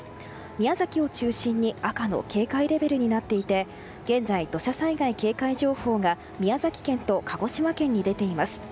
宮崎を中心に赤の警戒レベルになっていて現在、土砂災害警戒情報が宮崎県と鹿児島県に出ています。